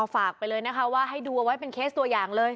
ฝากไปเลยนะคะว่าให้ดูเอาไว้เป็นเคสตัวอย่างเลย